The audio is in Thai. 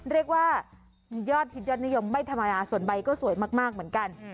เรียกว่ายอดฮิตยอดนิยมไม่ธรรมดาส่วนใบก็สวยมากเหมือนกัน